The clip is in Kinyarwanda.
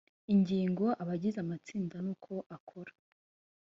ingingo abagize amatsinda n uko akora